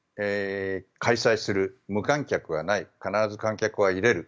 開催する、無観客はない必ず観客は入れる。